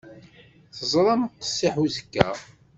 Teẓram qessiḥ uzekka.